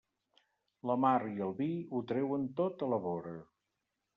La mar i el vi ho treuen tot a la vora.